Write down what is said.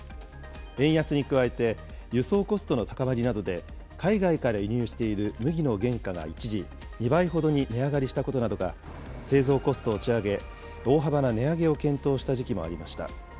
円安に加えて、輸送コストの高まりなどで、海外から輸入している麦の原価が一時２倍ほどに値上がりしたことなどが、製造コストを押し上げ、大幅な値上げを検討した時期もありました。